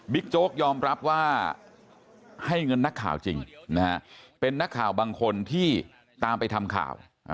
โจ๊กยอมรับว่าให้เงินนักข่าวจริงนะฮะเป็นนักข่าวบางคนที่ตามไปทำข่าว